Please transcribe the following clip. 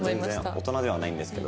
大人ではないんですけど。